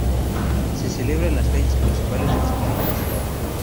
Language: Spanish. Se celebra en las calles principales del centro de la ciudad.